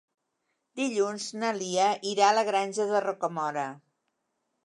Dilluns na Lia irà a la Granja de Rocamora.